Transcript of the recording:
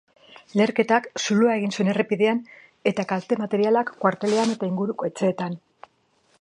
Leherketak zuloa egin zuen errepidean eta kalte materialak kuartelean eta inguruko etxeetan.